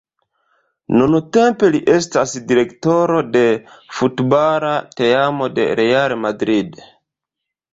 Nuntempe li estas direktoro de futbala teamo de Real Madrid.